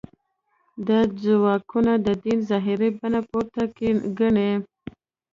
دا ځواکونه د دین ظاهري بڼه پورته ګڼي.